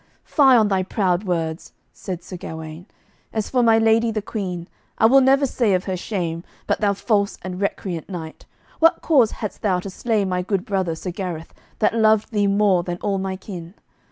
"Fie on thy proud words," said Sir Gawaine; "as for my lady the Queen, I will never say of her shame, but thou false and recreant knight, what cause hadst thou to slay my good brother Sir Gareth, that loved thee more than all my kin?